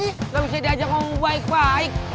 tidak bisa diajak ngomong baik baik